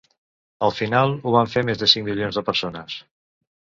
Al final, ho van fer més de cinc milions de persones.